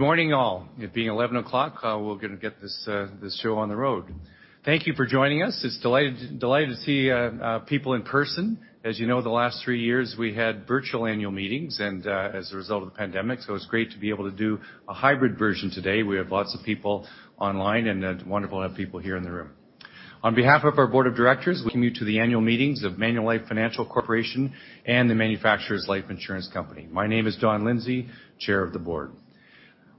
Good morning, all. It being 11:00 A.M., we're going to get this show on the road. Thank you for joining us. It's delighted to see people in person. As you know, the last three years we had virtual annual meetings, and as a result of the pandemic, so it's great to be able to do a hybrid version today. We have lots of people online, and it's wonderful to have people here in the room. On behalf of our Board of Directors, we commute to the Annual Meetings of Manulife Financial Corporation and the Manufacturers Life Insurance Company. My name is Don Lindsay, Chair of the Board.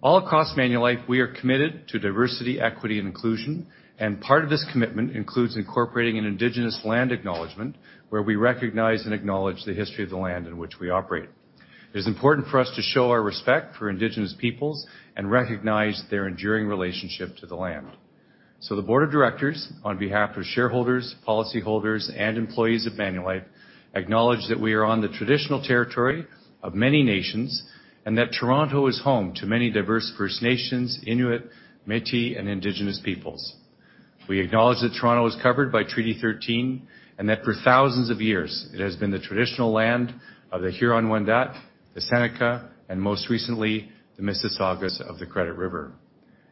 All across Manulife, we are committed to diversity, equity, and inclusion, and part of this commitment includes incorporating an Indigenous land acknowledgment where we recognize and acknowledge the history of the land in which we operate. It is important for us to show our respect for Indigenous peoples and recognize their enduring relationship to the land. The Board of Directors, on behalf of shareholders, policyholders, and employees of Manulife, acknowledge that we are on the traditional territory of many nations and that Toronto is home to many diverse First Nations, Inuit, Métis, and Indigenous Peoples. We acknowledge that Toronto is covered by Treaty 13 and that for thousands of years it has been the traditional land of the Huron-Wendat, the Seneca, and most recently the Mississaugas of the Credit River.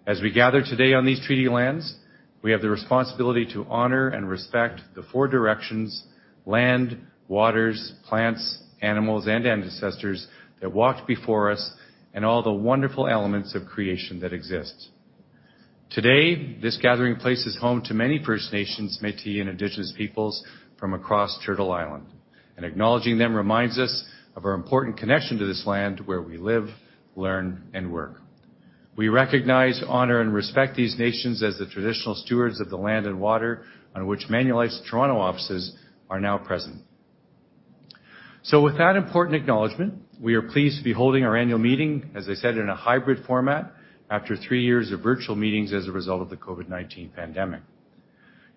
As we gather today on these treaty lands, we have the responsibility to honor and respect the four directions: land, waters, plants, animals, and ancestors that walked before us, and all the wonderful elements of creation that exist. Today, this gathering place is home to many First Nations, Métis, and Indigenous Peoples from across Turtle Island, and acknowledging them reminds us of our important connection to this land where we live, learn, and work. We recognize, honor, and respect these nations as the traditional stewards of the land and water on which Manulife's Toronto offices are now present. With that important acknowledgment, we are pleased to be holding our annual meeting, as I said, in a hybrid format after three years of virtual meetings as a result of the COVID-19 pandemic.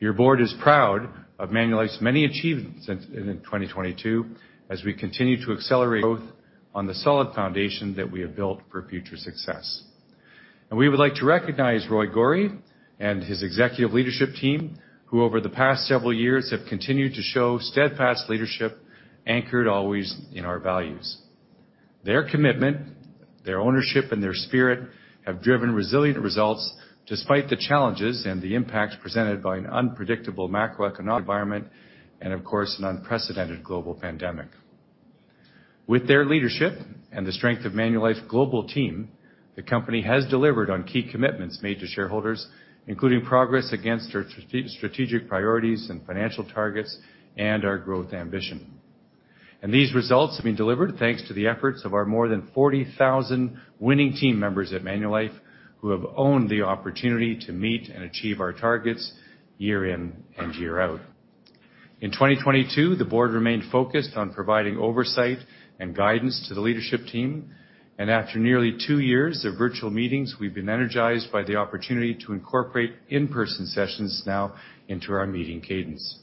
Your board is proud of Manulife's many achievements in 2022 as we continue to accelerate growth on the solid foundation that we have built for future success. We would like to recognize Roy Gori and his executive leadership team, who over the past several years have continued to show steadfast leadership anchored always in our values. Their commitment, their ownership, and their spirit have driven resilient results despite the challenges and the impacts presented by an unpredictable macroeconomic environment and, of course, an unprecedented global pandemic. With their leadership and the strength of Manulife's Global team, the company has delivered on key commitments made to shareholders, including progress against our strategic priorities and financial targets and our growth ambition. These results have been delivered thanks to the efforts of our more than 40,000 winning team members at Manulife who have owned the opportunity to meet and achieve our targets year in and year out. In 2022, the board remained focused on providing oversight and guidance to the leadership team, and after nearly two years of virtual meetings, we've been energized by the opportunity to incorporate in-person sessions now into our meeting cadence.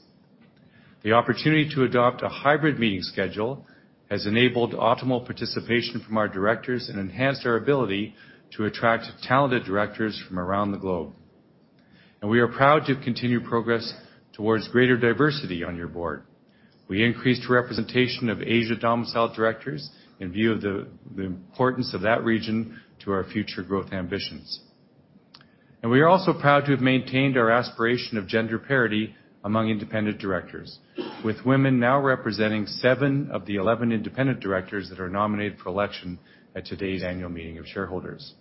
The opportunity to adopt a hybrid meeting schedule has enabled optimal participation from our directors and enhanced our ability to attract talented directors from around the globe. We are proud to continue progress towards greater diversity on your board. We increased representation of Asia Domiciled Directors in view of the importance of that region to our future growth ambitions. We are also proud to have maintained our aspiration of gender parity among independent directors, with women now representing seven of the 11 independent directors that are nominated for election at today's annual meeting of shareholders.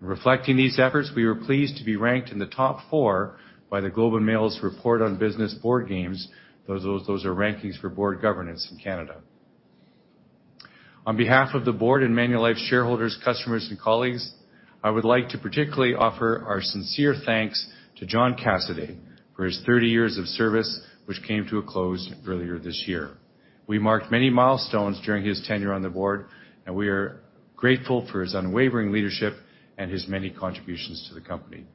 Reflecting these efforts, we were pleased to be ranked in the top four by the Global Males Report on Business Board Games. Those are rankings for board governance in Canada. On behalf of the board and Manulife shareholders, customers, and colleagues, I would like to particularly offer our sincere thanks to John Cassaday for his 30 years of service, which came to a close earlier this year. We marked many milestones during his tenure on the board, and we are grateful for his unwavering leadership and his many contributions to the company.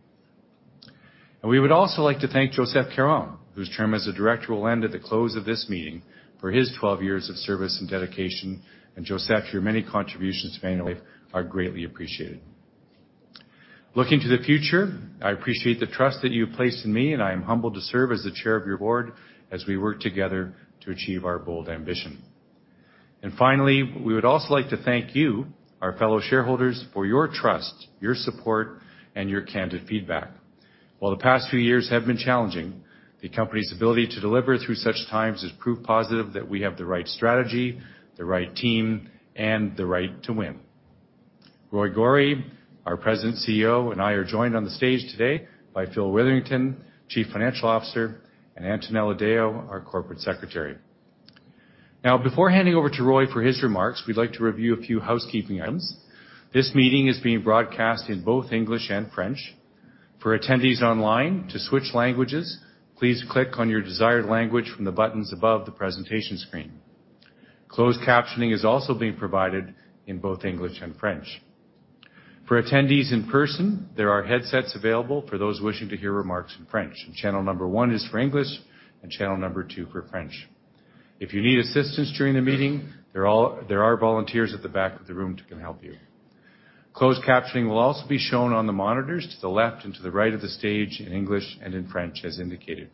We would also like to thank Joseph Caron, whose term as a director will end at the close of this meeting, for his 12 years of service and dedication, and Joseph, your many contributions to Manulife are greatly appreciated. Looking to the future, I appreciate the trust that you've placed in me, and I am humbled to serve as the Chair of your Board as we work together to achieve our bold ambition. Finally, we would also like to thank you, our fellow shareholders, for your trust, your support, and your candid feedback. While the past few years have been challenging, the company's ability to deliver through such times has proved positive that we have the right strategy, the right team, and the right to win. Roy Gori, our President, CEO, and I are joined on the stage today by Phil Witherington, Chief Financial Officer, and Antonella Deo, our Corporate Secretary. Now, before handing over to Roy for his remarks, we'd like to review a few housekeeping items. This meeting is being broadcast in both English and French. For attendees online, to switch languages, please click on your desired language from the buttons above the presentation screen. Closed captioning is also being provided in both English and French. For attendees in person, there are headsets available for those wishing to hear remarks in French. Channel number one is for English, and channel number two for French. If you need assistance during the meeting, there are volunteers at the back of the room who can help you. Closed captioning will also be shown on the monitors to the left and to the right of the stage in English and in French, as indicated.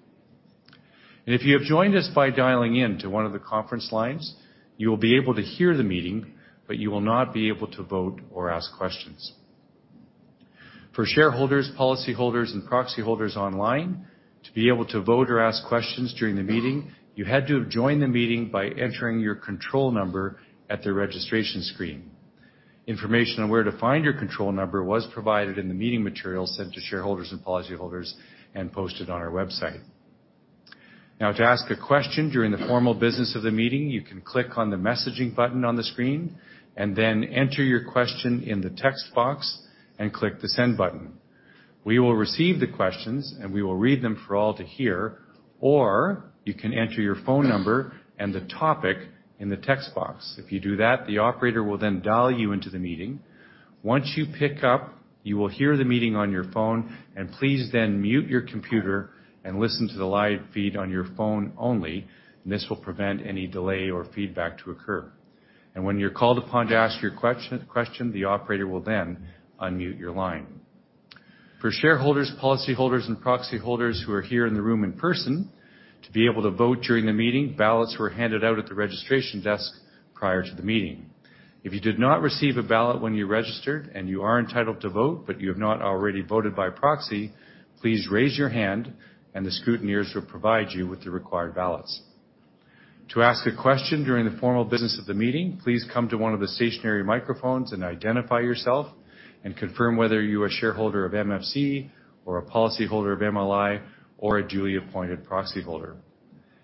If you have joined us by dialing in to one of the conference lines, you will be able to hear the meeting, but you will not be able to vote or ask questions. For shareholders, policyholders, and proxy holders online, to be able to vote or ask questions during the meeting, you had to have joined the meeting by entering your control number at the registration screen. Information on where to find your control number was provided in the meeting materials sent to shareholders and policyholders and posted on our website. Now, to ask a question during the formal business of the meeting, you can click on the messaging button on the screen and then enter your question in the text box and click the send button. We will receive the questions, and we will read them for all to hear, or you can enter your phone number and the topic in the text box. If you do that, the operator will then dial you into the meeting. Once you pick up, you will hear the meeting on your phone, and please then mute your computer and listen to the live feed on your phone only. This will prevent any delay or feedback to occur. When you are called upon to ask your question, the operator will then unmute your line. For shareholders, policyholders, and proxy holders who are here in the room in person, to be able to vote during the meeting, ballots were handed out at the registration desk prior to the meeting. If you did not receive a ballot when you registered and you are entitled to vote, but you have not already voted by proxy, please raise your hand, and the scrutineers will provide you with the required ballots. To ask a question during the formal business of the meeting, please come to one of the stationary microphones and identify yourself and confirm whether you are a shareholder of MFC or a policyholder of MLI or a duly appointed proxy holder.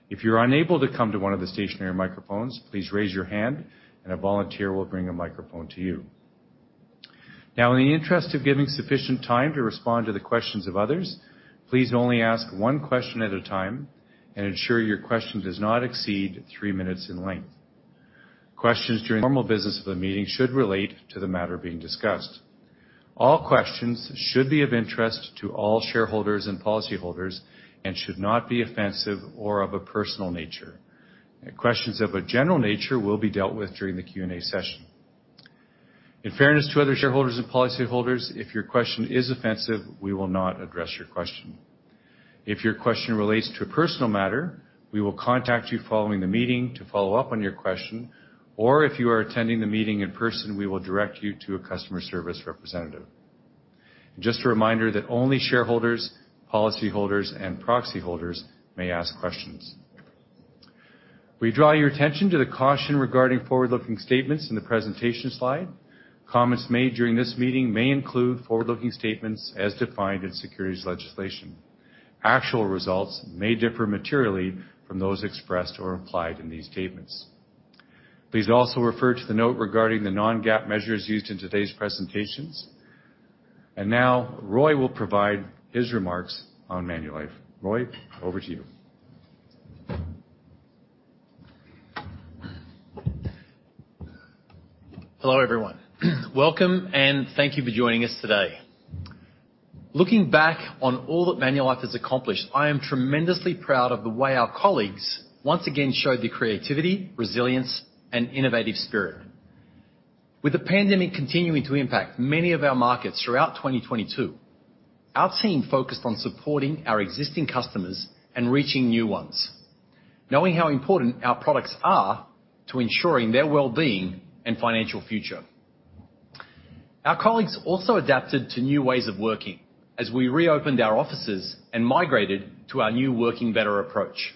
If you're unable to come to one of the stationary microphones, please raise your hand, and a volunteer will bring a microphone to you. Now, in the interest of giving sufficient time to respond to the questions of others, please only ask one question at a time and ensure your question does not exceed three minutes in length. Questions during the formal business of the meeting should relate to the matter being discussed. All questions should be of interest to all shareholders and policyholders and should not be offensive or of a personal nature. Questions of a general nature will be dealt with during the Q&A session. In fairness to other shareholders and policyholders, if your question is offensive, we will not address your question. If your question relates to a personal matter, we will contact you following the meeting to follow up on your question, or if you are attending the meeting in person, we will direct you to a customer service representative. Just a reminder that only shareholders, policyholders, and proxy holders may ask questions. We draw your attention to the caution regarding forward-looking statements in the presentation slide. Comments made during this meeting may include forward-looking statements as defined in securities legislation. Actual results may differ materially from those expressed or implied in these statements. Please also refer to the note regarding the non-GAAP measures used in today's presentations. Now, Roy will provide his remarks on Manulife. Roy, over to you. Hello, everyone. Welcome, and thank you for joining us today. Looking back on all that Manulife has accomplished, I am tremendously proud of the way our colleagues once again showed the creativity, resilience, and innovative spirit. With the pandemic continuing to impact many of our markets throughout 2022, our team focused on supporting our existing customers and reaching new ones, knowing how important our products are to ensuring their well-being and financial future. Our colleagues also adapted to new ways of working as we reopened our offices and migrated to our new working-better approach.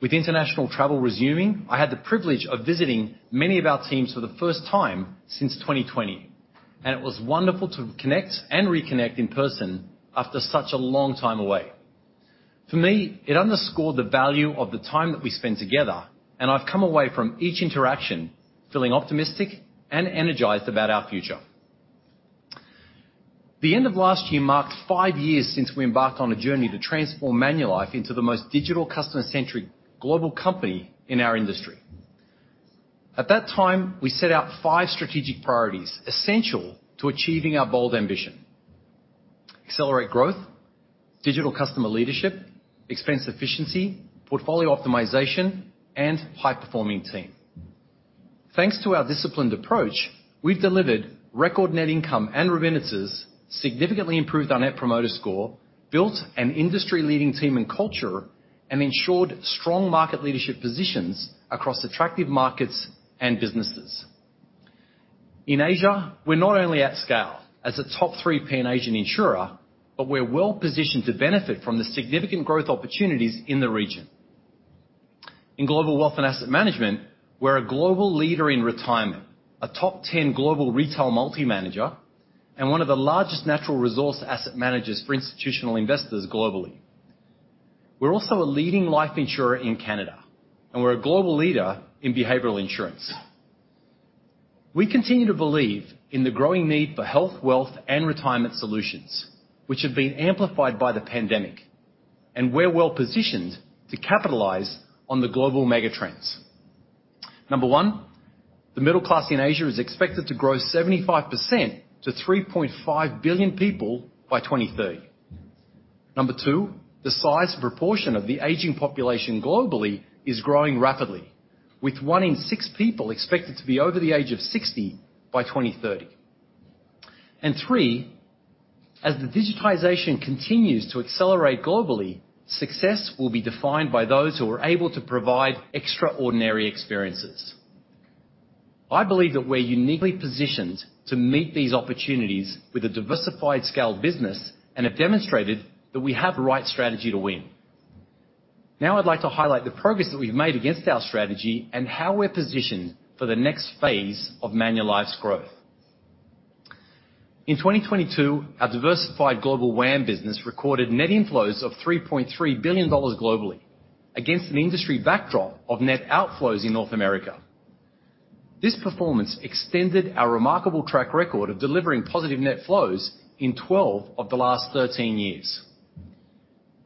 With international travel resuming, I had the privilege of visiting many of our teams for the first time since 2020, and it was wonderful to connect and reconnect in person after such a long time away. For me, it underscored the value of the time that we spent together, and I've come away from each interaction feeling optimistic and energized about our future. The end of last year marked five years since we embarked on a journey to transform Manulife into the most digital customer-centric global company in our industry. At that time, we set out five strategic priorities essential to achieving our bold ambition: accelerate growth, digital customer leadership, expense efficiency, portfolio optimization, and high-performing team. Thanks to our disciplined approach, we've delivered record net income and revenues, significantly improved our net promoter score, built an industry-leading team and culture, and ensured strong market leadership positions across attractive markets and businesses. In Asia, we're not only at scale as a top three pan-Asian insurer, but we're well positioned to benefit from the significant growth opportunities in the region. In global wealth and asset management, we're a global leader in retirement, a top 10 global retail multi-manager, and one of the largest natural resource asset managers for institutional investors globally. We're also a leading life insurer in Canada, and we're a global leader in behavioral insurance. We continue to believe in the growing need for health, wealth, and retirement solutions, which have been amplified by the pandemic, and we're well positioned to capitalize on the global megatrends. Number one, the middle class in Asia is expected to grow 75% to 3.5 billion people by 2030. Number two, the size and proportion of the aging population globally is growing rapidly, with one in six people expected to be over the age of 60 by 2030. Three, as the digitization continues to accelerate globally, success will be defined by those who are able to provide extraordinary experiences. I believe that we're uniquely positioned to meet these opportunities with a diversified scale business and have demonstrated that we have the right strategy to win. Now, I'd like to highlight the progress that we've made against our strategy and how we're positioned for the next phase of Manulife's growth. In 2022, our diversified Global WAM business recorded net inflows of $3.3 billion globally against an industry backdrop of net outflows in North America. This performance extended our remarkable track record of delivering positive net flows in 12 of the last 13 years.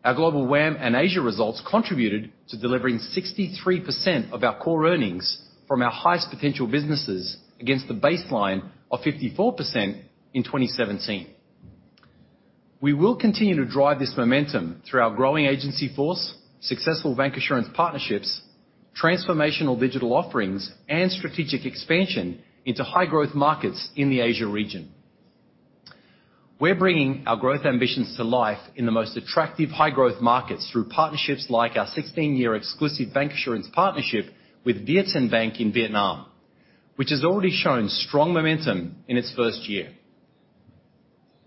Our Global WAM and Asia results contributed to delivering 63% of our core earnings from our highest potential businesses against the baseline of 54% in 2017. We will continue to drive this momentum through our growing agency force, successful bank assurance partnerships, transformational digital offerings, and strategic expansion into high-growth markets in the Asia region. We're bringing our growth ambitions to life in the most attractive high-growth markets through partnerships like our 16-year exclusive bank assurance partnership with VietinBank in Vietnam, which has already shown strong momentum in its first year.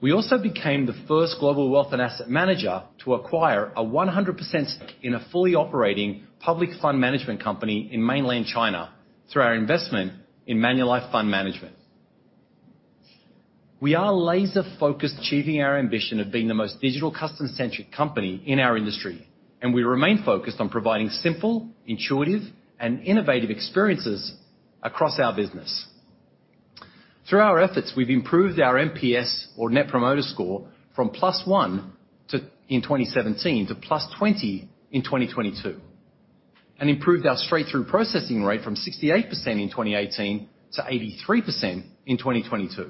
We also became the first Global Wealth and Asset Manager to acquire a 100% stake in a fully operating public fund management company in mainland China through our investment in Manulife Fund Management. We are laser-focused on achieving our ambition of being the most digital customer-centric company in our industry, and we remain focused on providing simple, intuitive, and innovative experiences across our business. Through our efforts, we've improved our NPS, or net promoter score, from +1 in 2017 to +20 in 2022, and improved our straight-through processing rate from 68% in 2018 to 83% in 2022.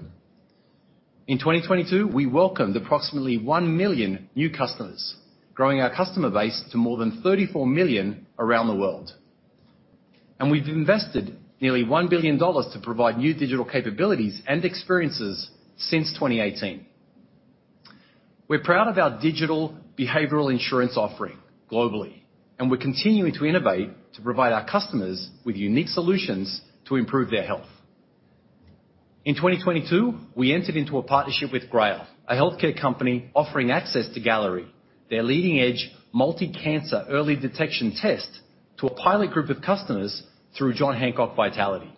In 2022, we welcomed approximately 1 million new customers, growing our customer base to more than 34 million around the world. We have invested nearly $1 billion to provide new digital capabilities and experiences since 2018. We are proud of our digital behavioral insurance offering globally, and we are continuing to innovate to provide our customers with unique solutions to improve their health. In 2022, we entered into a partnership with GRAIL, a healthcare company offering access to Galleri, their leading-edge multi-cancer early detection test, to a pilot group of customers through John Hancock Vitality.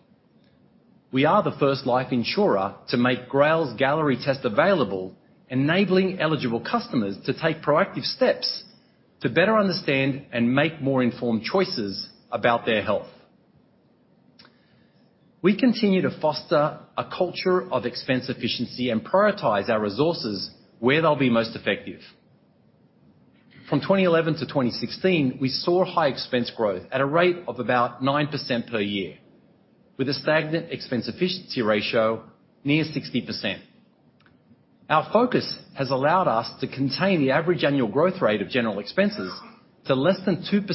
We are the first life insurer to make GRAIL's Galleri test available, enabling eligible customers to take proactive steps to better understand and make more informed choices about their health. We continue to foster a culture of expense efficiency and prioritize our resources where they will be most effective. From 2011 to 2016, we saw high expense growth at a rate of about 9% per year, with a stagnant expense efficiency ratio near 60%. Our focus has allowed us to contain the average annual growth rate of general expenses to less than 2%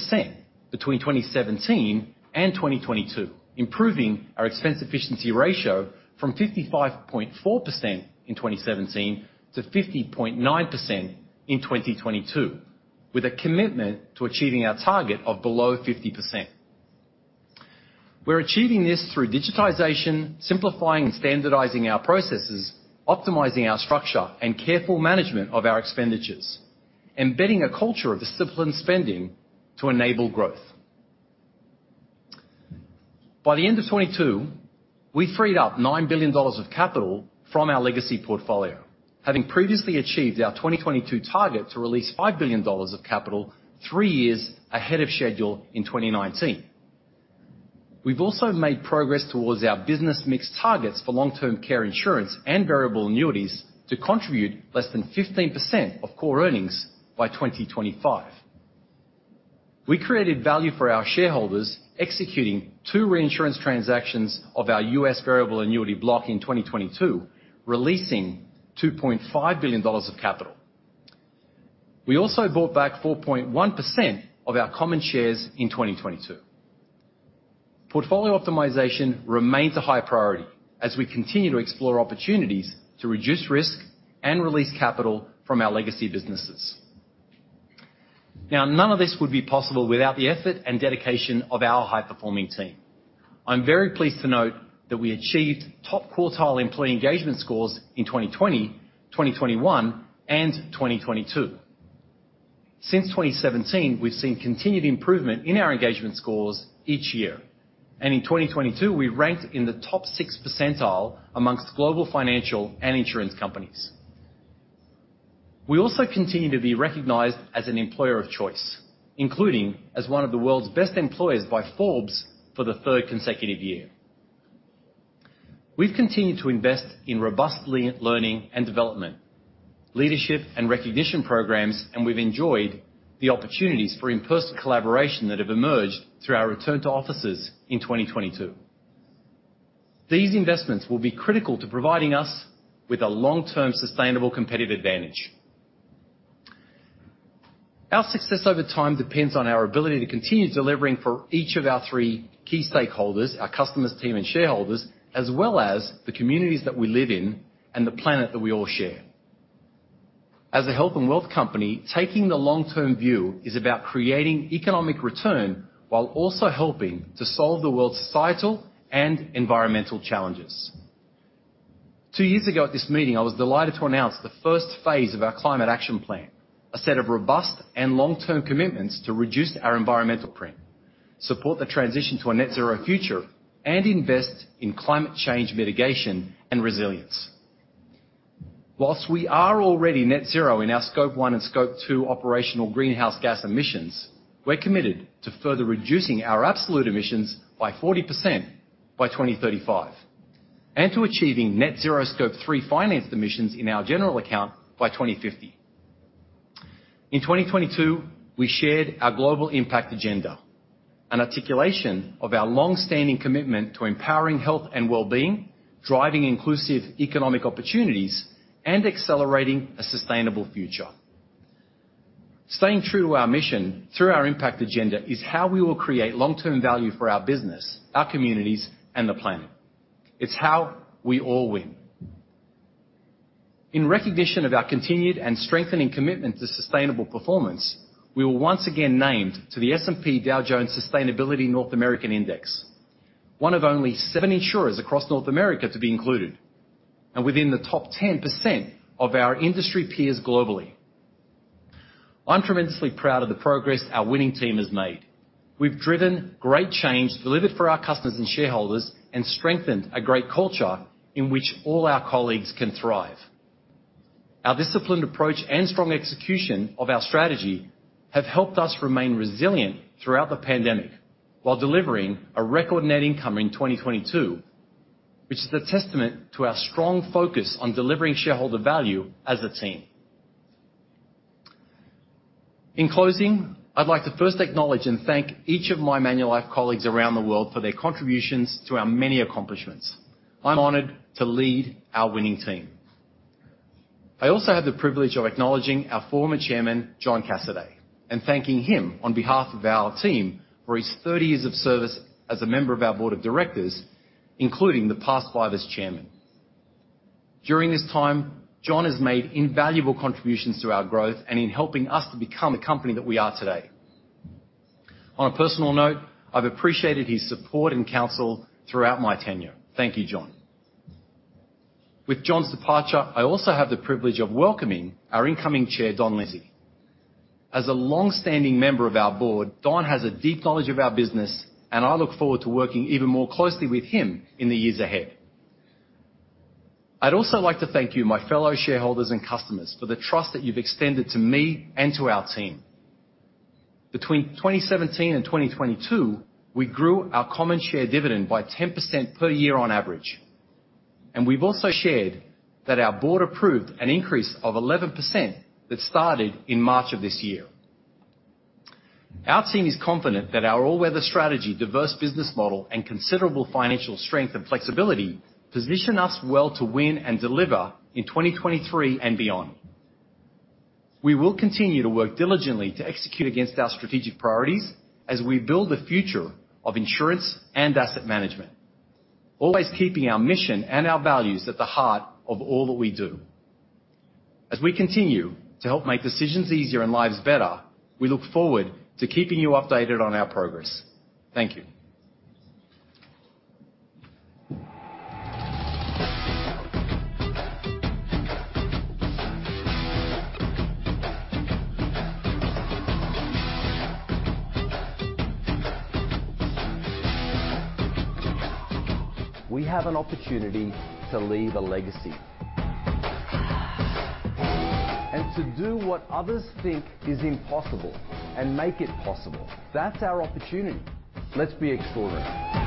between 2017 and 2022, improving our expense efficiency ratio from 55.4% in 2017 to 50.9% in 2022, with a commitment to achieving our target of below 50%. We're achieving this through digitization, simplifying and standardizing our processes, optimizing our structure, and careful management of our expenditures, embedding a culture of disciplined spending to enable growth. By the end of 2022, we freed up $9 billion of capital from our legacy portfolio, having previously achieved our 2022 target to release $5 billion of capital three years ahead of schedule in 2019. We've also made progress towards our business mix targets for long-term care insurance and variable annuities to contribute less than 15% of core earnings by 2025. We created value for our shareholders executing two reinsurance transactions of our U.S. variable annuity block in 2022, releasing $2.5 billion of capital. We also bought back 4.1% of our common shares in 2022. Portfolio optimization remains a high priority as we continue to explore opportunities to reduce risk and release capital from our legacy businesses. Now, none of this would be possible without the effort and dedication of our high-performing team. I'm very pleased to note that we achieved top quartile employee engagement scores in 2020, 2021, and 2022. Since 2017, we've seen continued improvement in our engagement scores each year, and in 2022, we ranked in the top six percentile amongst global financial and insurance companies. We also continue to be recognized as an employer of choice, including as one of the world's best employers by Forbes for the third consecutive year. We've continued to invest in robust learning and development, leadership, and recognition programs, and we've enjoyed the opportunities for in-person collaboration that have emerged through our return to offices in 2022. These investments will be critical to providing us with a long-term sustainable competitive advantage. Our success over time depends on our ability to continue delivering for each of our three key stakeholders: our customers, team, and shareholders, as well as the communities that we live in and the planet that we all share. As a health and wealth company, taking the long-term view is about creating economic return while also helping to solve the world's societal and environmental challenges. Two years ago at this meeting, I was delighted to announce the first phase of our climate action plan, a set of robust and long-term commitments to reduce our environmental footprint, support the transition to a net-zero future, and invest in climate change mitigation and resilience. While we are already net-zero in our Scope one and Scope two operational greenhouse gas emissions, we're committed to further reducing our absolute emissions by 40% by 2035 and to achieving net-zero Scope three financed emissions in our general account by 2050. In 2022, we shared our global impact agenda, an articulation of our long-standing commitment to empowering health and well-being, driving inclusive economic opportunities, and accelerating a sustainable future. Staying true to our mission through our impact agenda is how we will create long-term value for our business, our communities, and the planet. It's how we all win. In recognition of our continued and strengthening commitment to sustainable performance, we were once again named to the S&P Dow Jones Sustainability North American Index, one of only seven insurers across North America to be included and within the top 10% of our industry peers globally. I'm tremendously proud of the progress our winning team has made. We've driven great change, delivered for our customers and shareholders, and strengthened a great culture in which all our colleagues can thrive. Our disciplined approach and strong execution of our strategy have helped us remain resilient throughout the pandemic while delivering a record net income in 2022, which is a testament to our strong focus on delivering shareholder value as a team. In closing, I'd like to first acknowledge and thank each of my Manulife colleagues around the world for their contributions to our many accomplishments. I'm honored to lead our winning team. I also have the privilege of acknowledging our former chairman, John Cassaday, and thanking him on behalf of our team for his 30 years of service as a member of our board of directors, including the past five as chairman. During this time, John has made invaluable contributions to our growth and in helping us to become the company that we are today. On a personal note, I've appreciated his support and counsel throughout my tenure. Thank you, John. With John's departure, I also have the privilege of welcoming our incoming chair, Don Lindsay. As a long-standing member of our board, Don has a deep knowledge of our business, and I look forward to working even more closely with him in the years ahead. I'd also like to thank you, my fellow shareholders and customers, for the trust that you've extended to me and to our team. Between 2017 and 2022, we grew our common share dividend by 10% per year on average, and we've also shared that our board approved an increase of 11% that started in March of this year. Our team is confident that our all-weather strategy, diverse business model, and considerable financial strength and flexibility position us well to win and deliver in 2023 and beyond. We will continue to work diligently to execute against our strategic priorities as we build the future of insurance and asset management, always keeping our mission and our values at the heart of all that we do. As we continue to help make decisions easier and lives better, we look forward to keeping you updated on our progress. Thank you. We have an opportunity to leave a legacy and to do what others think is impossible and make it possible. That's our opportunity. Let's be extraordinary.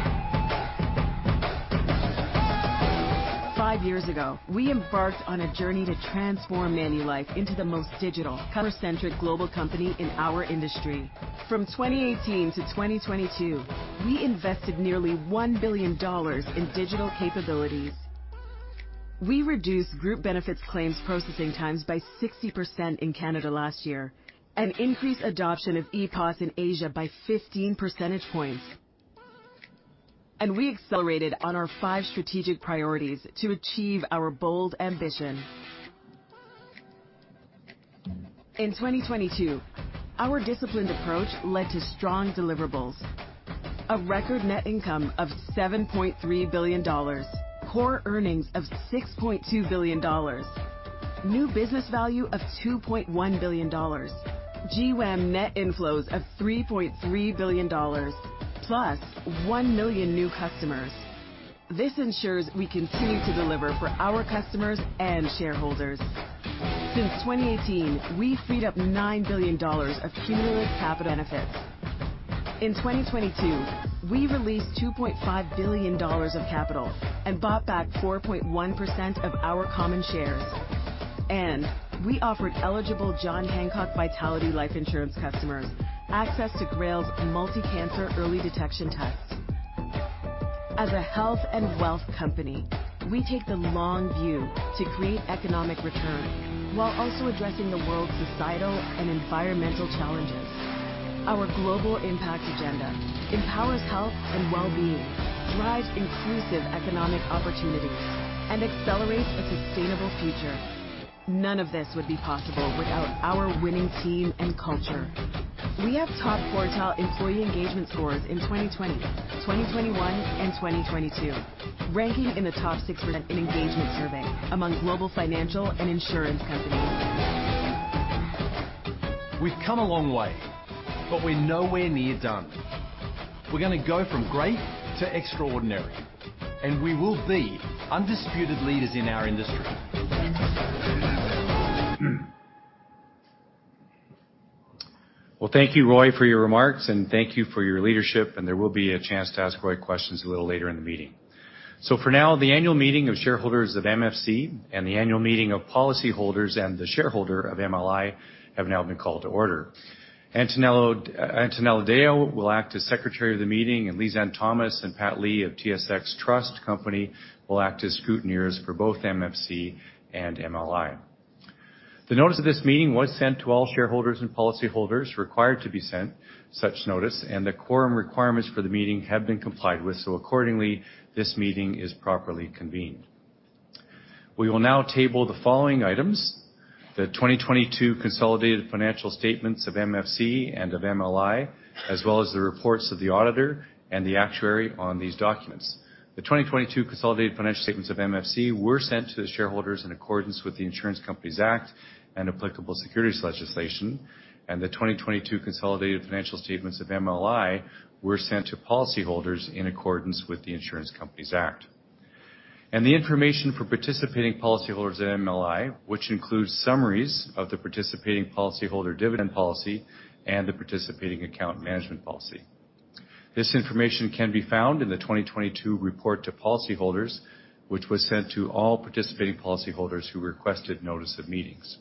Five years ago, we embarked on a journey to transform Manulife into the most digital centric global company in our industry. From 2018 to 2022, we invested nearly $1 billion in digital capabilities. We reduced group benefits claims processing times by 60% in Canada last year and increased adoption of ePOS in Asia by 15 percentage points. We accelerated on our five strategic priorities to achieve our bold ambition. In 2022, our disciplined approach led to strong deliverables: a record net income of $7.3 billion, core earnings of $6.2 billion, new business value of $2.1 billion, GWAM net inflows of $3.3 billion, plus 1 million new customers. This ensures we continue to deliver for our customers and shareholders. Since 2018, we freed up $9 billion of cumulative capital benefits. In 2022, we released $2.5 billion of capital and bought back 4.1% of our common shares. We offered eligible John Hancock Vitality Life Insurance customers access to GRAIL's multi-cancer early detection tests. As a health and wealth company, we take the long view to create economic return while also addressing the world's societal and environmental challenges. Our global impact agenda empowers health and well-being, drives inclusive economic opportunities, and accelerates a sustainable future. None of this would be possible without our winning team and culture. We have top quartile employee engagement scores in 2020, 2021, and 2022, ranking in the top 6% in engagement survey among global financial and insurance companies. We've come a long way, but we're nowhere near done. We're going to go from great to extraordinary, and we will be undisputed leaders in our industry. Thank you, Roy, for your remarks, and thank you for your leadership. There will be a chance to ask Roy questions a little later in the meeting. For now, the annual meeting of shareholders of MFC and the annual meeting of policyholders and the shareholder of MLI have now been called to order. Antonella Deo will act as secretary of the meeting, and Lise Ann Thomas and Pat Lee of TSX Trust Company will act as scrutineers for both MFC and MLI. The notice of this meeting was sent to all shareholders and policyholders required to be sent such notice, and the quorum requirements for the meeting have been complied with. Accordingly, this meeting is properly convened. We will now table the following items: the 2022 consolidated financial statements of MFC and of MLI, as well as the reports of the auditor and the actuary on these documents. The 2022 consolidated financial statements of MFC were sent to the shareholders in accordance with the Insurance Companies Act and applicable securities legislation, and the 2022 consolidated financial statements of MLI were sent to policyholders in accordance with the Insurance Companies Act. The information for participating policyholders and MLI, which includes summaries of the participating policyholder dividend policy and the participating account management policy, can be found in the 2022 report to policyholders, which was sent to all participating policyholders who requested notice of meetings.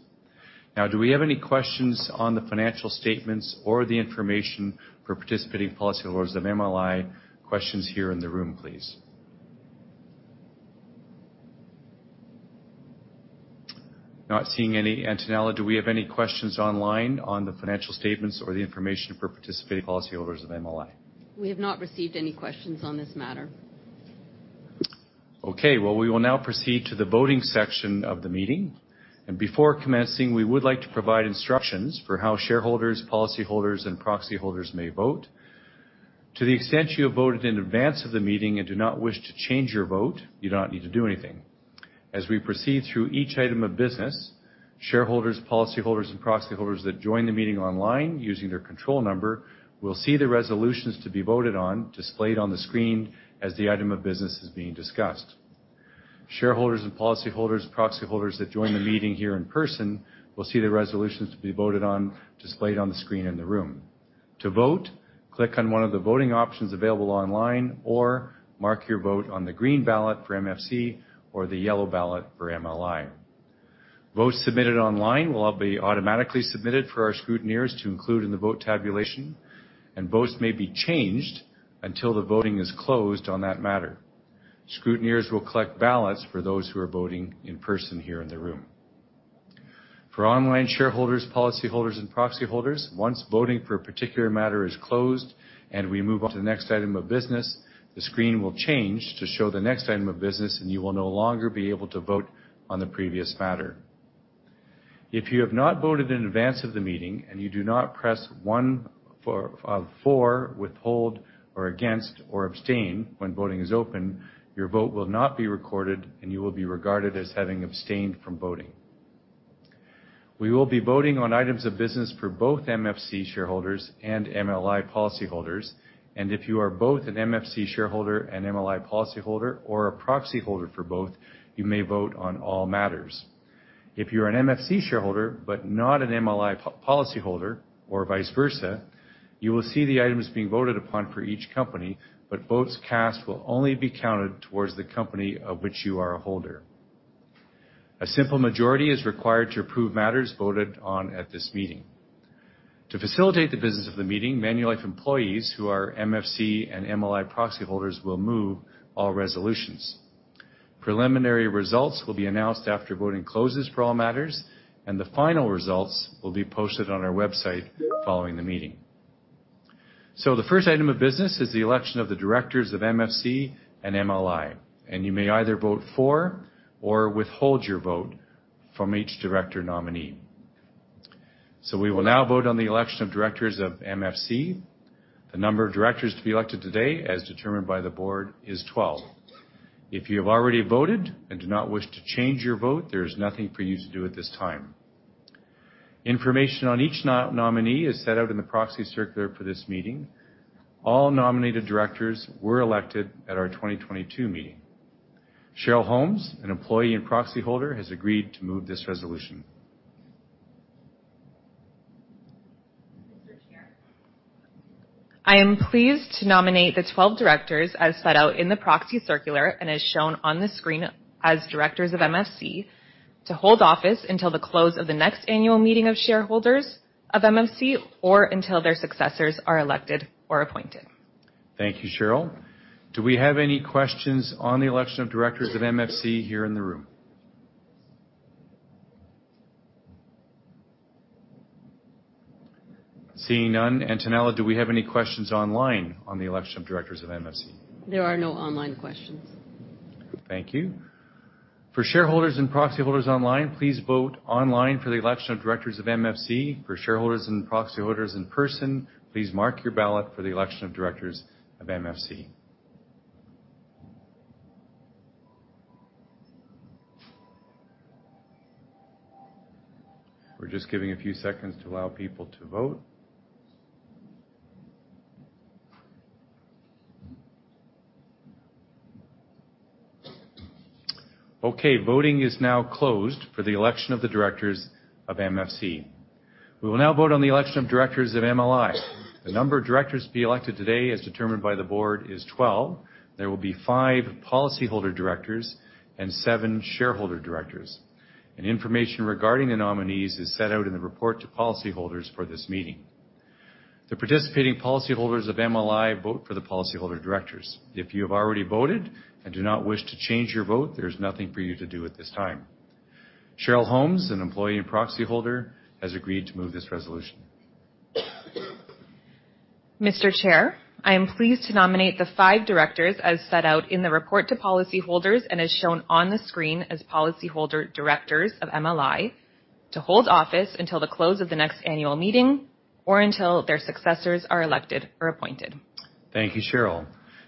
Now, do we have any questions on the financial statements or the information for participating policyholders of MLI? Questions here in the room, please. Not seeing any. Antonella, do we have any questions online on the financial statements or the information for participating policyholders of MLI? We have not received any questions on this matter. Okay. We will now proceed to the voting section of the meeting. Before commencing, we would like to provide instructions for how shareholders, policyholders, and proxy holders may vote. To the extent you have voted in advance of the meeting and do not wish to change your vote, you do not need to do anything. As we proceed through each item of business, shareholders, policyholders, and proxy holders that join the meeting online using their control number will see the resolutions to be voted on displayed on the screen as the item of business is being discussed. Shareholders and policyholders, proxy holders that join the meeting here in person will see the resolutions to be voted on displayed on the screen in the room. To vote, click on one of the voting options available online or mark your vote on the green ballot for MFC or the yellow ballot for MLI. Votes submitted online will be automatically submitted for our scrutineers to include in the vote tabulation, and votes may be changed until the voting is closed on that matter. Scrutineers will collect ballots for those who are voting in person here in the room. For online shareholders, policyholders, and proxy holders, once voting for a particular matter is closed and we move on to the next item of business, the screen will change to show the next item of business, and you will no longer be able to vote on the previous matter. If you have not voted in advance of the meeting and you do not press one of four withhold or against or abstain when voting is open, your vote will not be recorded, and you will be regarded as having abstained from voting. We will be voting on items of business for both MFC shareholders and MLI policyholders. If you are both an MFC shareholder and MLI policyholder or a proxy holder for both, you may vote on all matters. If you are an MFC shareholder but not an MLI policyholder or vice versa, you will see the items being voted upon for each company, but votes cast will only be counted towards the company of which you are a holder. A simple majority is required to approve matters voted on at this meeting. To facilitate the business of the meeting, Manulife employees who are MFC and MLI proxy holders will move all resolutions. Preliminary results will be announced after voting closes for all matters, and the final results will be posted on our website following the meeting. The first item of business is the election of the directors of MFC and MLI, and you may either vote for or withhold your vote from each director nominee. We will now vote on the election of directors of MFC. The number of directors to be elected today, as determined by the board, is 12. If you have already voted and do not wish to change your vote, there is nothing for you to do at this time. Information on each nominee is set out in the proxy circular for this meeting. All nominated directors were elected at our 2022 meeting. Cheryl Holmes, an employee and proxy holder, has agreed to move this resolution. Mr. Chair, I am pleased to nominate the 12 directors as set out in the proxy circular and as shown on the screen as directors of MFC to hold office until the close of the next annual meeting of shareholders of MFC or until their successors are elected or appointed. Thank you, Cheryl. Do we have any questions on the election of directors of MFC here in the room? Seeing none. Antonella, do we have any questions online on the election of directors of MFC? There are no online questions. Thank you. For shareholders and proxy holders online, please vote online for the election of directors of MFC. For shareholders and proxy holders in person, please mark your ballot for the election of directors of MFC. We're just giving a few seconds to allow people to vote. Okay. Voting is now closed for the election of the directors of MFC. We will now vote on the election of directors of MLI. The number of directors to be elected today, as determined by the board, is 12. There will be five policyholder directors and seven shareholder directors. Information regarding the nominees is set out in the report to policyholders for this meeting. The participating policyholders of MLI vote for the policyholder directors. If you have already voted and do not wish to change your vote, there is nothing for you to do at this time. Cheryl Holmes, an employee and proxy holder, has agreed to move this resolution. Mr. Chair, I am pleased to nominate the five directors as set out in the report to policyholders and as shown on the screen as policyholder directors of MLI to hold office until the close of the next annual meeting or until their successors are elected or appointed. Thank you, Cheryl.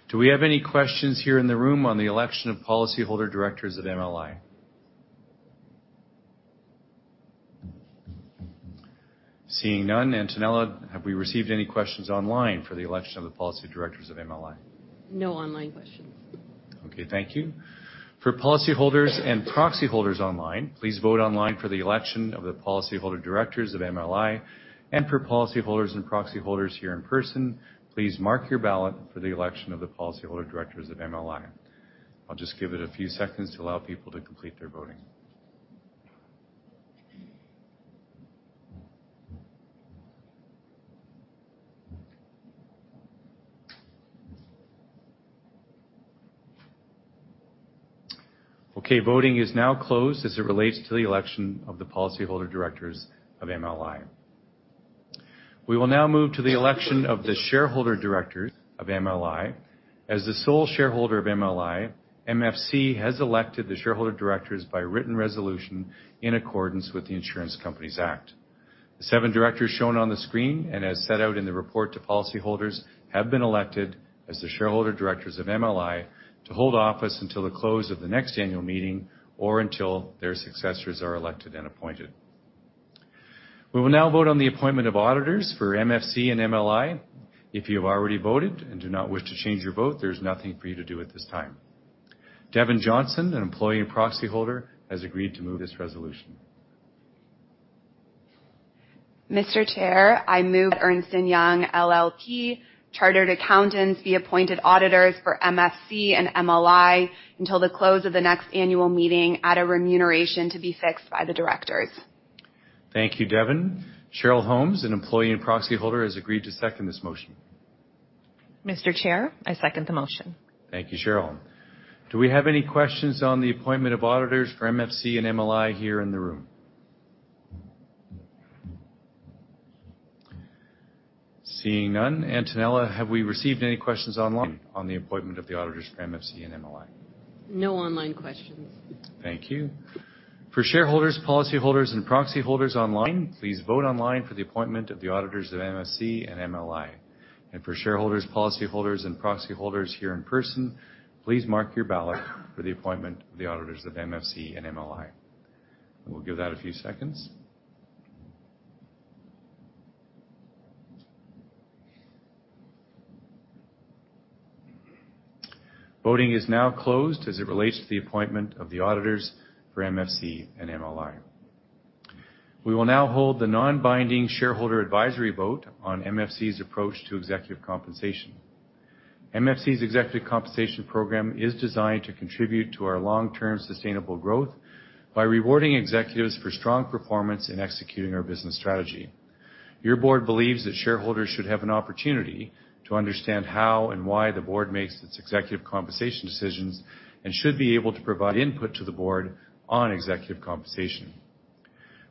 Do we have any questions here in the room on the election of policyholder directors of MLI? Seeing none. Antonella, have we received any questions online for the election of the policyholder directors of MLI? No online questions. Okay. Thank you. For policyholders and proxy holders online, please vote online for the election of the policyholder directors of MLI. For policyholders and proxy holders here in person, please mark your ballot for the election of the policyholder directors of MLI. I'll just give it a few seconds to allow people to complete their voting. Okay. Voting is now closed as it relates to the election of the policyholder directors of MLI. We will now move to the election of the shareholder directors of MLI. As the sole shareholder of MLI, MFC has elected the shareholder directors by written resolution in accordance with the Insurance Companies Act. The seven directors shown on the screen and as set out in the report to policyholders have been elected as the shareholder directors of MLI to hold office until the close of the next annual meeting or until their successors are elected and appointed. We will now vote on the appointment of auditors for MFC and MLI. If you have already voted and do not wish to change your vote, there is nothing for you to do at this time. Devon Johnson, an employee and proxy holder, has agreed to move this resolution. Mr. Chair, I move that Ernst & Young LLP chartered accountants be appointed auditors for MFC and MLI until the close of the next annual meeting at a remuneration to be fixed by the directors. Thank you, Devon. Cheryl Holmes, an employee and proxy holder, has agreed to second this motion. Mr. Chair, I second the motion. Thank you, Cheryl. Do we have any questions on the appointment of auditors for MFC and MLI here in the room? Seeing none. Antonella, have we received any questions online on the appointment of the auditors for MFC and MLI? No online questions. Thank you. For shareholders, policyholders, and proxy holders online, please vote online for the appointment of the auditors of MFC and MLI. For shareholders, policyholders, and proxy holders here in person, please mark your ballot for the appointment of the auditors of MFC and MLI. We'll give that a few seconds. Voting is now closed as it relates to the appointment of the auditors for MFC and MLI. We will now hold the non-binding shareholder advisory vote on MFC's approach to executive compensation. MFC's executive compensation program is designed to contribute to our long-term sustainable growth by rewarding executives for strong performance in executing our business strategy. Your board believes that shareholders should have an opportunity to understand how and why the board makes its executive compensation decisions and should be able to provide input to the board on executive compensation.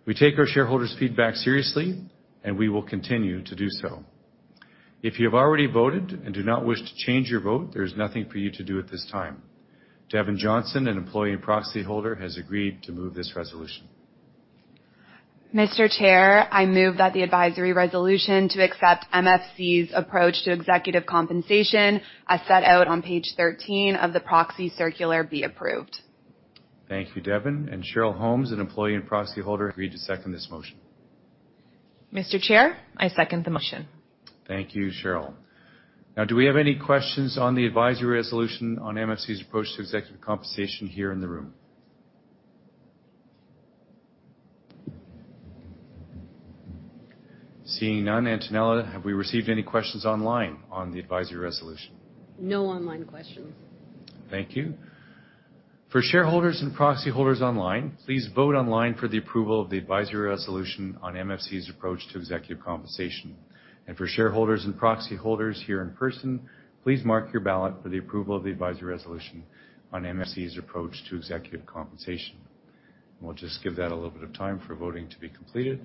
We take our shareholders' feedback seriously, and we will continue to do so. If you have already voted and do not wish to change your vote, there is nothing for you to do at this time. Devon Johnson, an employee and proxy holder, has agreed to move this resolution. Mr. Chair, I move that the advisory resolution to accept MFC's approach to executive compensation as set out on page 13 of the proxy circular be approved. Thank you, Devon. Cheryl Holmes, an employee and proxy holder, agreed to second this motion. Mr. Chair, I second the motion. Thank you, Cheryl. Now, do we have any questions on the advisory resolution on MFC's approach to executive compensation here in the room? Seeing none. Antonella, have we received any questions online on the advisory resolution? No online questions. Thank you. For shareholders and proxy holders online, please vote online for the approval of the advisory resolution on MFC's approach to executive compensation. For shareholders and proxy holders here in person, please mark your ballot for the approval of the advisory resolution on MFC's approach to executive compensation. We'll just give that a little bit of time for voting to be completed.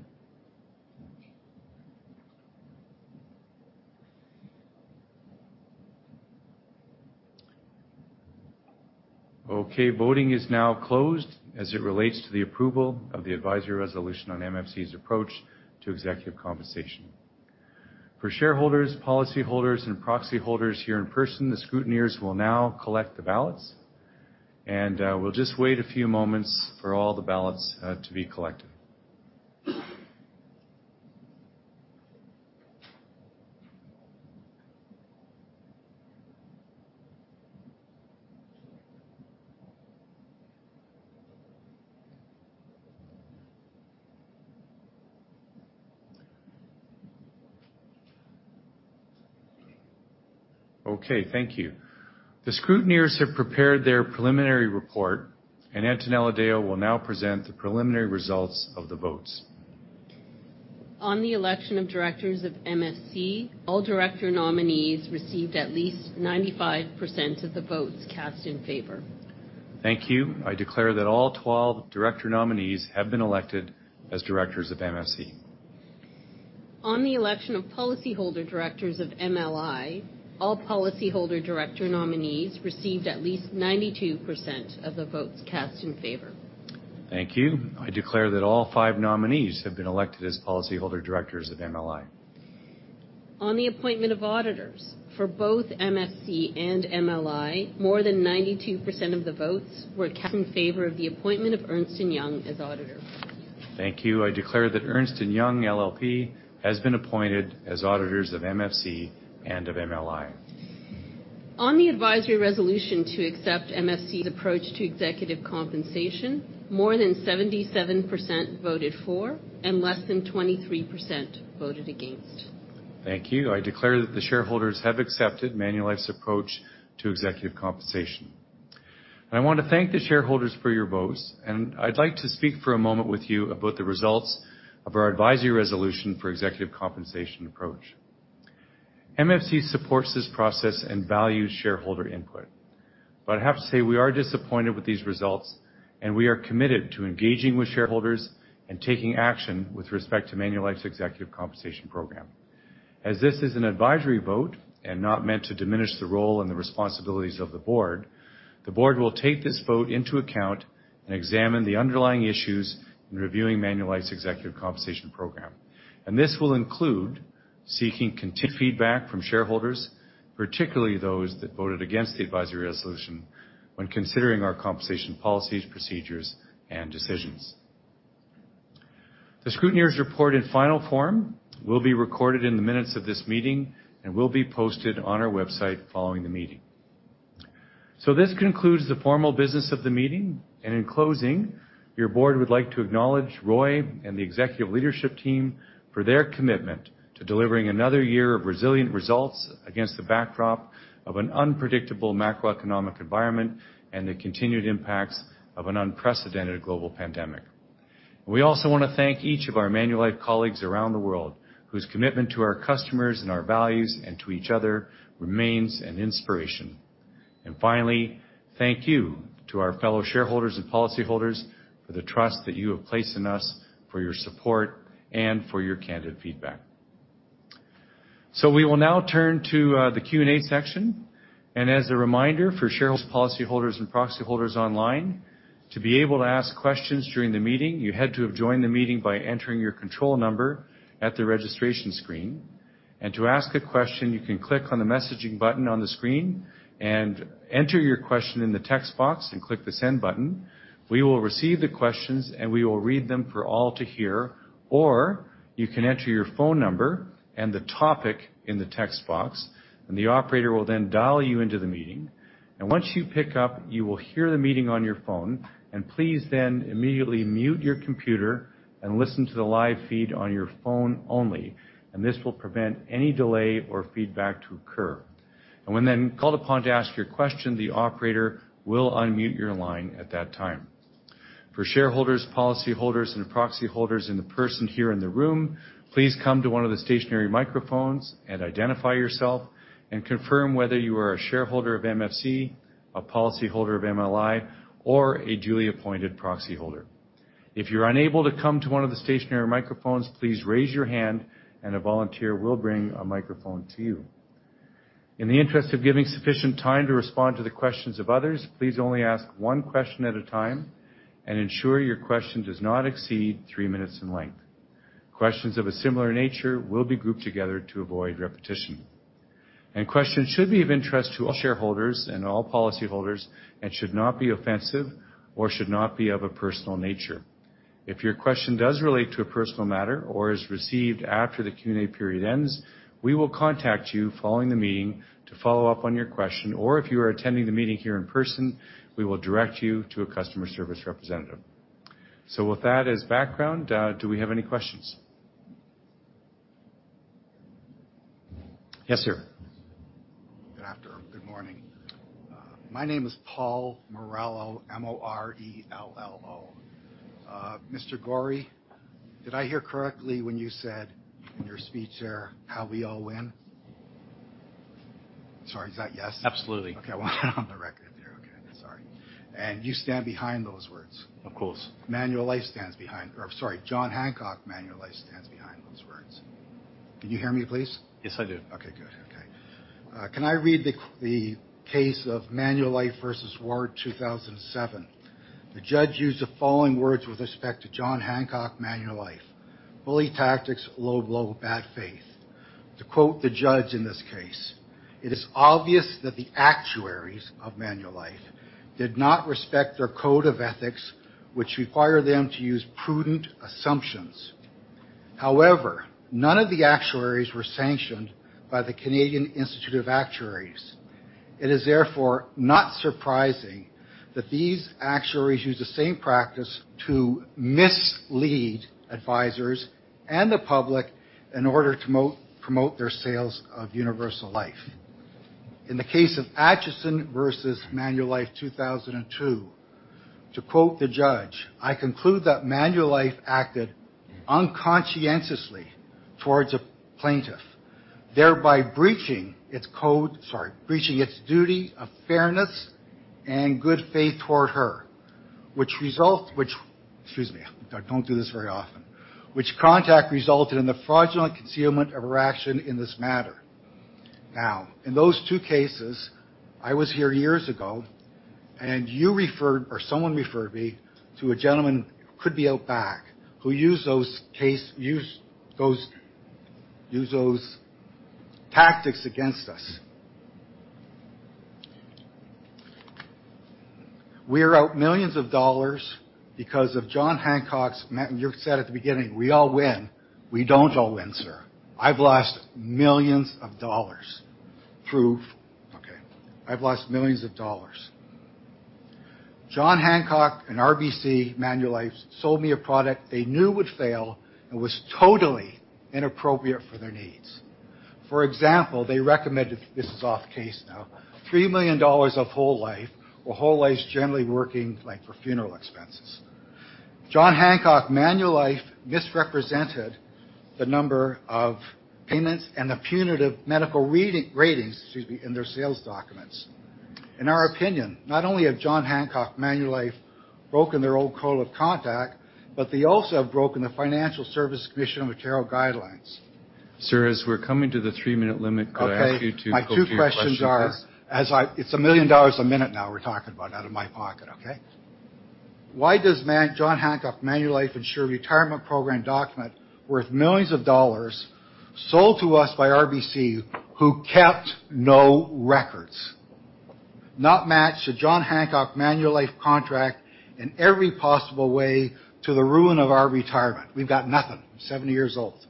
Okay. Voting is now closed as it relates to the approval of the advisory resolution on MFC's approach to executive compensation. For shareholders, policy holders, and proxy holders here in person, the scrutineers will now collect the ballots. We'll just wait a few moments for all the ballots to be collected. Okay. Thank you. The scrutineers have prepared their preliminary report, and Antonella Deo will now present the preliminary results of the votes. On the election of directors of MFC, all director nominees received at least 95% of the votes cast in favor. Thank you. I declare that all 12 director nominees have been elected as directors of MFC. On the election of policyholder directors of MLI, all policyholder director nominees received at least 92% of the votes cast in favor. Thank you. I declare that all five nominees have been elected as policyholder directors of MLI. On the appointment of auditors for both MFC and MLI, more than 92% of the votes were cast in favor of the appointment of Ernst & Young as auditor. Thank you. I declare that Ernst & Young LLP has been appointed as auditors of MFC and of MLI. On the advisory resolution to accept MFC's approach to executive compensation, more than 77% voted for and less than 23% voted against. Thank you. I declare that the shareholders have accepted Manulife's approach to executive compensation. I want to thank the shareholders for your votes. I would like to speak for a moment with you about the results of our advisory resolution for executive compensation approach. MFC supports this process and values shareholder input. I have to say we are disappointed with these results, and we are committed to engaging with shareholders and taking action with respect to Manulife's executive compensation program. As this is an advisory vote and not meant to diminish the role and the responsibilities of the board, the board will take this vote into account and examine the underlying issues in reviewing Manulife's executive compensation program. This will include seeking continued feedback from shareholders, particularly those that voted against the advisory resolution, when considering our compensation policies, procedures, and decisions. The scrutineers' report in final form will be recorded in the minutes of this meeting and will be posted on our website following the meeting. This concludes the formal business of the meeting. In closing, your board would like to acknowledge Roy and the executive leadership team for their commitment to delivering another year of resilient results against the backdrop of an unpredictable macroeconomic environment and the continued impacts of an unprecedented global pandemic. We also want to thank each of our Manulife colleagues around the world whose commitment to our customers and our values and to each other remains an inspiration. Finally, thank you to our fellow shareholders and policyholders for the trust that you have placed in us, for your support, and for your candid feedback. We will now turn to the Q&A section. As a reminder for shareholders, policyholders, and proxy holders online, to be able to ask questions during the meeting, you had to have joined the meeting by entering your control number at the registration screen. To ask a question, you can click on the messaging button on the screen and enter your question in the text box and click the send button. We will receive the questions, and we will read them for all to hear. You can also enter your phone number and the topic in the text box, and the operator will then dial you into the meeting. Once you pick up, you will hear the meeting on your phone. Please then immediately mute your computer and listen to the live feed on your phone only. This will prevent any delay or feedback from occurring. When called upon to ask your question, the operator will unmute your line at that time. For shareholders, policyholders, and proxy holders in person here in the room, please come to one of the stationary microphones and identify yourself and confirm whether you are a shareholder of MFC, a policyholder of MLI, or a duly appointed proxy holder. If you're unable to come to one of the stationary microphones, please raise your hand, and a volunteer will bring a microphone to you. In the interest of giving sufficient time to respond to the questions of others, please only ask one question at a time and ensure your question does not exceed three minutes in length. Questions of a similar nature will be grouped together to avoid repetition. Questions should be of interest to all shareholders and all policyholders and should not be offensive or should not be of a personal nature. If your question does relate to a personal matter or is received after the Q&A period ends, we will contact you following the meeting to follow up on your question. If you are attending the meeting here in person, we will direct you to a customer service representative. With that as background, do we have any questions? Yes, sir. Good afternoon. Good morning. My name is Paul Morello, M-O-R-E-L-L-O. Mr. Gori, did I hear correctly when you said in your speech there, "How we all win"? Sorry. Is that yes? Absolutely. Okay. I am on the record there. Sorry. You stand behind those words? Of course. Manulife stands behind or sorry, John Hancock Manulife stands behind those words. Can you hear me, please? Yes, I do. Good. Can I read the case of Manulife versus Ward 2007? The judge used the following words with respect to John Hancock Manulife: bully tactics, low blow, bad faith. To quote the judge in this case, "It is obvious that the actuaries of Manulife did not respect their code of ethics, which required them to use prudent assumptions. However, none of the actuaries were sanctioned by the Canadian Institute of Actuaries. It is therefore not surprising that these actuaries use the same practice to mislead advisors and the public in order to promote their sales of Universal Life. In the case of Atchison versus Manulife 2002, to quote the judge, "I conclude that Manulife acted unconscientiously towards a plaintiff, thereby breaching its code—sorry, breaching its duty of fairness and good faith toward her, which resulted—excuse me, I don't do this very often—which contact resulted in the fraudulent concealment of her action in this matter." Now, in those two cases, I was here years ago, and you referred or someone referred me to a gentleman who could be out back who used those tactics against us. We are out millions of dollars because of John Hancock's—you said at the beginning, "We all win." We don't all win, sir. I've lost millions of dollars through—okay. I've lost millions of dollars. John Hancock and RBC Manulife sold me a product they knew would fail and was totally inappropriate for their needs. For example, they recommended—this is off case now—$3 million of Whole Life, where Whole Life's generally working for funeral expenses. John Hancock Manulife misrepresented the number of payments and the punitive medical ratings, excuse me, in their sales documents. In our opinion, not only have John Hancock Manulife broken their old code of conduct, but they also have broken the Financial Services Commission material guidelines. Sir, as we're coming to the three-minute limit, could I ask you to quote the judge? Okay. My two questions are—it's a million dollars a minute now we're talking about out of my pocket, okay? Why does John Hancock Manulife insure retirement program document worth millions of dollars sold to us by RBC who kept no records not match the John Hancock Manulife contract in every possible way to the ruin of our retirement? We've got nothing. I'm 70 years old.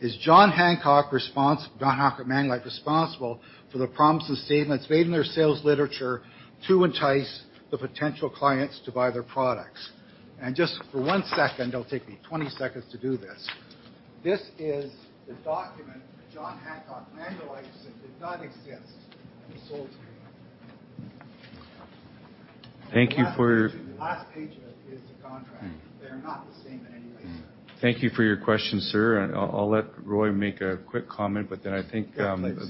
Is John Hancock Manulife responsible for the promises and statements made in their sales literature to entice the potential clients to buy their products? Just for one second—it'll take me 20 seconds to do this—this is the document that John Hancock Manulife said did not exist and sold to me. Thank you for your question, sir. I'll let Roy make a quick comment, but then I think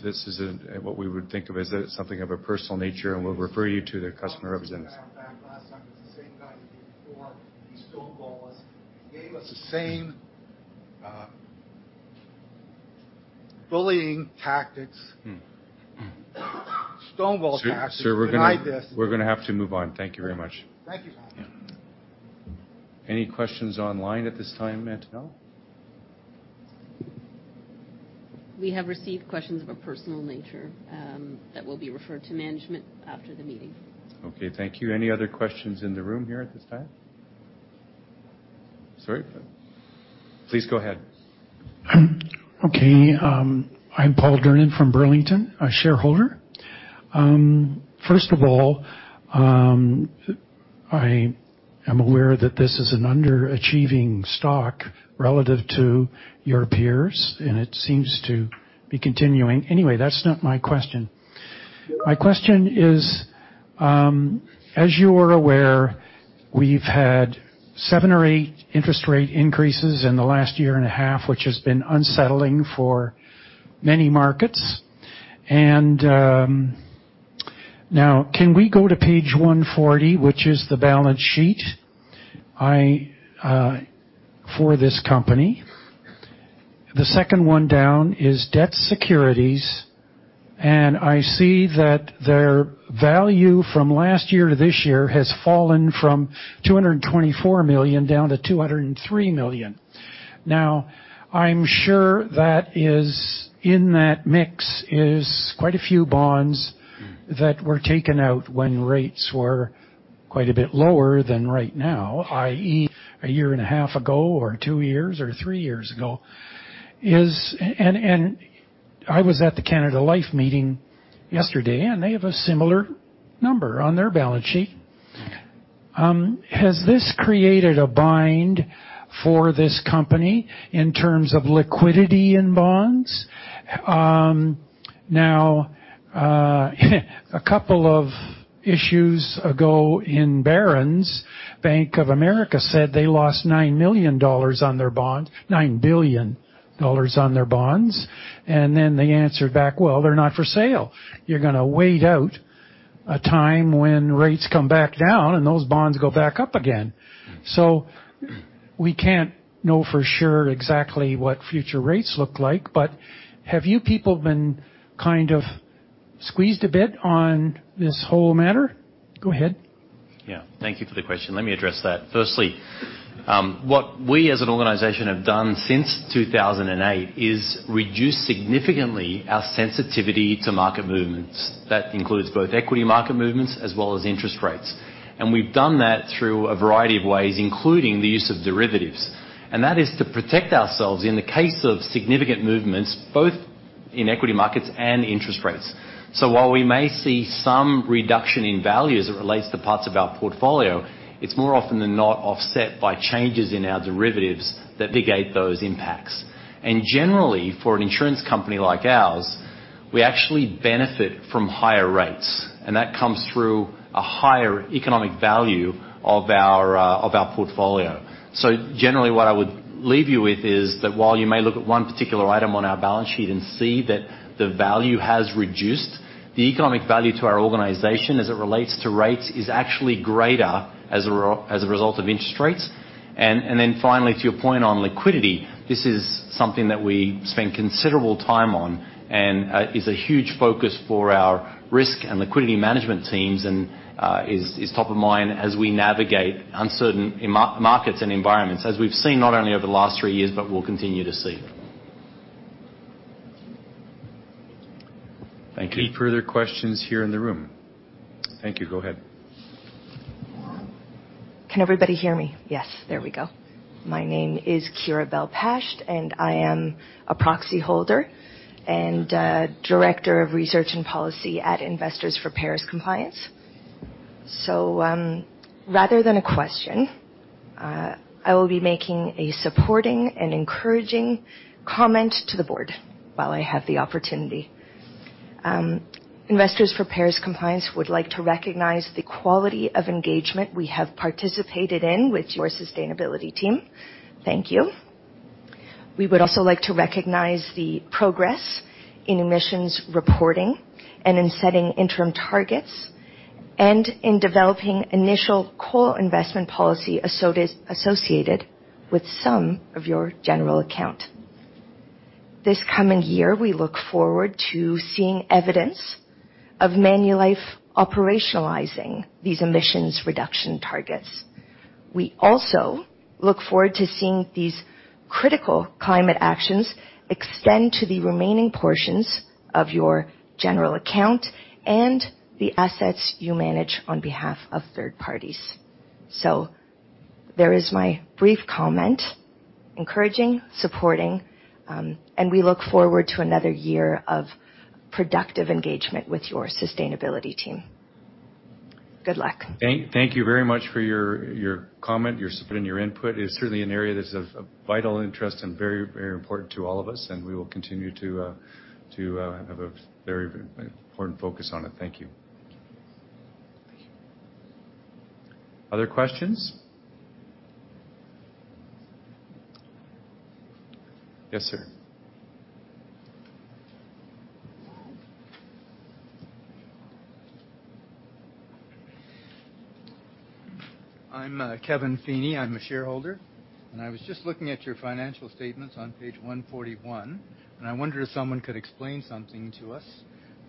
this is what we would think of as something of a personal nature, and we'll refer you to their customer representative. I'll back up. Last time it was the same guy as before. He's Stonewall. He gave us the same bullying tactics. Stonewall tactics to guide this. Sir, we're going to have to move on. Thank you very much. Thank you, Don. Any questions online at this time, Antonella? No? We have received questions of a personal nature that will be referred to management after the meeting. Okay. Thank you. Any other questions in the room here at this time? Sorry, but please go ahead. Okay. I'm Paul Dernan from Burlington, a shareholder. First of all, I am aware that this is an underachieving stock relative to your peers, and it seems to be continuing. Anyway, that's not my question. My question is, as you are aware, we've had seven or eight interest rate increases in the last year and a half, which has been unsettling for many markets. Now, can we go to page 140, which is the balance sheet for this company? The second one down is debt securities, and I see that their value from last year to this year has fallen from $224 million down to $203 million. I'm sure that in that mix is quite a few bonds that were taken out when rates were quite a bit lower than right now, i.e., a year and a half ago or two years or three years ago. I was at the Canada Life meeting yesterday, and they have a similar number on their balance sheet. Has this created a bind for this company in terms of liquidity in bonds? Now, a couple of issues ago in Barron's, Bank of America said they lost $9 billion on their bonds. And then they answered back, "Well, they're not for sale. You're going to wait out a time when rates come back down and those bonds go back up again." We can't know for sure exactly what future rates look like, but have you people been kind of squeezed a bit on this whole matter? Go ahead. Yeah. Thank you for the question. Let me address that. Firstly, what we as an organization have done since 2008 is reduce significantly our sensitivity to market movements. That includes both equity market movements as well as interest rates. We've done that through a variety of ways, including the use of derivatives. That is to protect ourselves in the case of significant movements, both in equity markets and interest rates. While we may see some reduction in values that relates to parts of our portfolio, it is more often than not offset by changes in our derivatives that mitigate those impacts. Generally, for an insurance company like ours, we actually benefit from higher rates, and that comes through a higher economic value of our portfolio. Generally, what I would leave you with is that while you may look at one particular item on our balance sheet and see that the value has reduced, the economic value to our organization as it relates to rates is actually greater as a result of interest rates. Finally, to your point on liquidity, this is something that we spend considerable time on and is a huge focus for our risk and liquidity management teams and is top of mind as we navigate uncertain markets and environments, as we've seen not only over the last three years, but we'll continue to see. Thank you. Any further questions here in the room? Thank you. Go ahead. Can everybody hear me? Yes. There we go. My name is Kyra Bell-Pasht, and I am a proxy holder and Director of Research and Policy at Investors for Paris Compliance. Rather than a question, I will be making a supporting and encouraging comment to the board while I have the opportunity. Investors for Paris Compliance would like to recognize the quality of engagement we have participated in with your sustainability team. Thank you. We would also like to recognize the progress in emissions reporting and in setting interim targets and in developing initial core investment policy associated with some of your general account. This coming year, we look forward to seeing evidence of Manulife operationalizing these emissions reduction targetsgWe also look forward to seeing these critical climate actions extend to the remaining portions of your general account and the assets you manage on behalf of third parties. There is my brief comment: encouraging, supporting, and we look forward to another year of productive engagement with your sustainability team. Good luck. Thank you very much for your comment, your support, and your input. It's certainly an area that's of vital interest and very, very important to all of us, and we will continue to have a very important focus on it. Thank you. Other questions? Yes, sir. I'm Kevin Feeney. I'm a shareholder, and I was just looking at your financial statements on page 141, and I wondered if someone could explain something to us.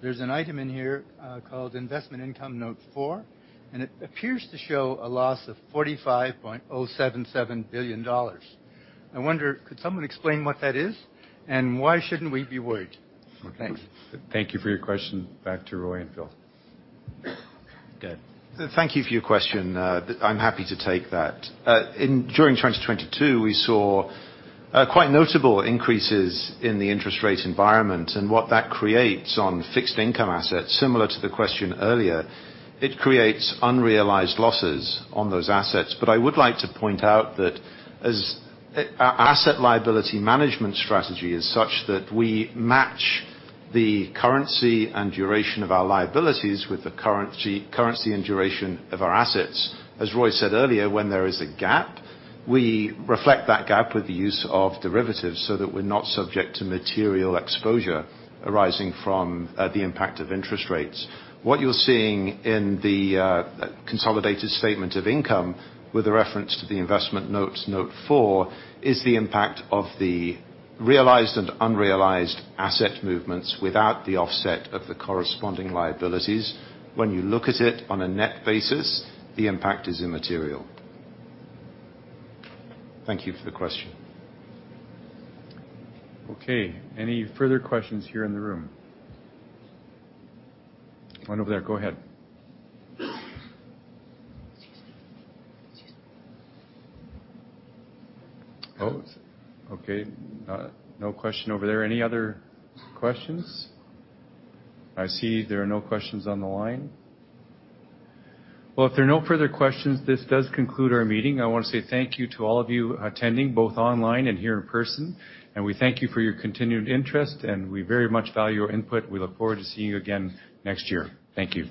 There's an item in here called investment income Note four, and it appears to show a loss of $45.077 billion. I wonder, could someone explain what that is and why shouldn't we be worried? Thanks. Thank you for your question. Back to Roy and Phil. Good. Thank you for your question. I'm happy to take that. During 2022, we saw quite notable increases in the interest rate environment, and what that creates on fixed income assets, similar to the question earlier, it creates unrealized losses on those assets. I would like to point out that our asset liability management strategy is such that we match the currency and duration of our liabilities with the currency and duration of our assets. As Roy said earlier, when there is a gap, we reflect that gap with the use of derivatives so that we're not subject to material exposure arising from the impact of interest rates. What you're seeing in the Consolidated Statement of Income with a reference to the investment notes note four is the impact of the realized and unrealized asset movements without the offset of the corresponding liabilities. When you look at it on a net basis, the impact is immaterial. Thank you for the question. Okay. Any further questions here in the room? One over there. Go ahead. Oh, okay. No question over there. Any other questions? I see there are no questions on the line. If there are no further questions, this does conclude our meeting. I want to say thank you to all of you attending, both online and here in person, and we thank you for your continued interest, and we very much value your input. We look forward to seeing you again next year. Thank you.